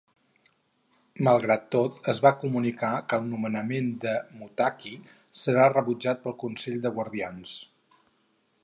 Malgrat tot, es va comunicar que el nomenament de Mottaki serà rebutjat pel Consell de Guardians.